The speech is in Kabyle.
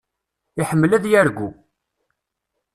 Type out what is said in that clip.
Iḥemmel ad yargu.